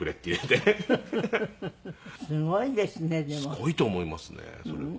すごいと思いますねそれは。